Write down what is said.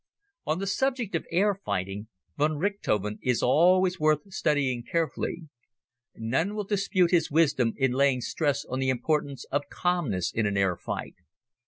On the subject of air fighting, von Richthofen is always worth studying carefully. None will dispute his wisdom in laying stress on the importance of calmness in an air fight.